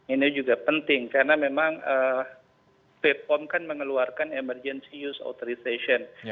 ini juga penting karena memang bepom kan mengeluarkan emergency use authorization